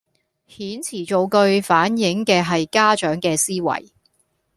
遣詞造句反映嘅係家長嘅思維